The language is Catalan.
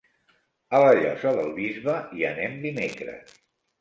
A la Llosa del Bisbe hi anem dimecres.